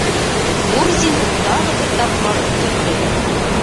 Мурзин тағы бер тапҡыр көлдө лә: